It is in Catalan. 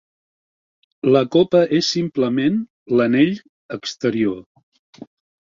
La copa és simplement l'anell exterior.